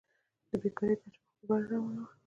د بېکارۍ کچه مخ په بره روانه وه.